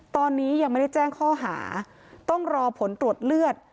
ตอนนี้ยังไม่ได้แจ้งข้อหาต้องรอผลตรวจเลือด